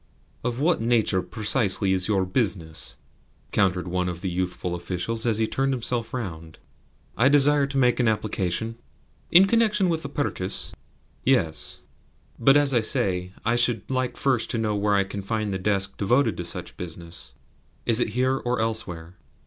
"Of what nature, precisely, IS your business?" countered one of the youthful officials as he turned himself round. "I desire to make an application." "In connection with a purchase?" "Yes. But, as I say, I should like first to know where I can find the desk devoted to such business. Is it here or elsewhere?"